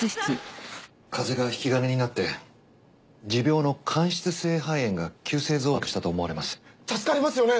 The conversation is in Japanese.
風邪が引き金になって持病の間質性肺炎が急性増悪したと思われます。